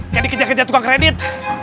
yang dikejar kejar tukang kredit